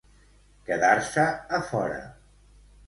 Quedar-se a fora.